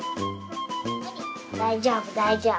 大丈夫大丈夫。